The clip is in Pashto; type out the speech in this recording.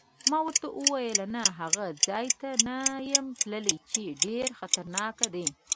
ما ورته وویل: نه، هغه ځای ته نه یم تللی چې ډېر خطرناک دی.